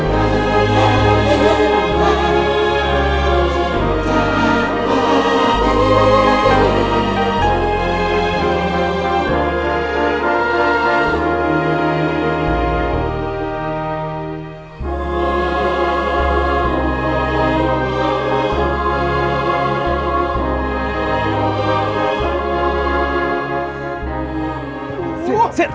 tidak ada yang mencari